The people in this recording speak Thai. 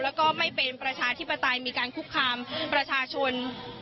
แล้วก็ไม่เป็นประชาธิปไตยมีการคุกคามประชาชน